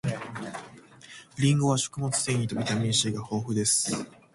りんごは食物繊維とビタミン C が豊富です